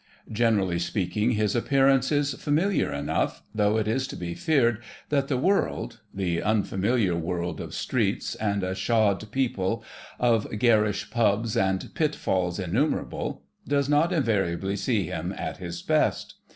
Generally speaking, his appearance is familiar enough, though it is to be feared that the world—the unfamiliar world of streets and a shod people, of garish "pubs" and pitfalls innumerable—does not invariably see him at his best.